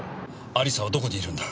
亜里沙はどこにいるんだ？